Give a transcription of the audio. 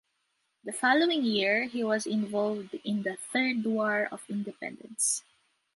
The following year, he was involved in the Third War of Independence.